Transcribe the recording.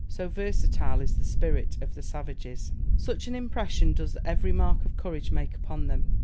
So versatile is the spirit of the savages! Such an impression does every mark of courage make upon them!